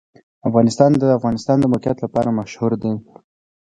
افغانستان د د افغانستان د موقعیت لپاره مشهور دی.